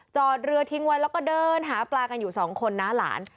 จอดเรือทิ้งไว้แล้วก็เดินหาปลากันอยู่สองคนน้าหลาน